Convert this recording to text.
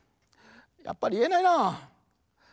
やっぱりいえないなぁ。